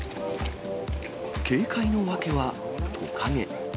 警戒の訳は、トカゲ。